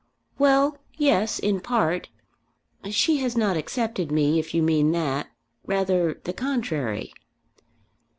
"Well; yes, in part. She has not accepted me, if you mean that. Rather the contrary."